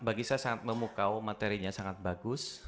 bagi saya sangat memukau materinya sangat bagus